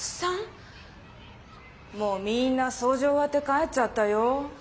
もうみんなそうじおわって帰っちゃったよ！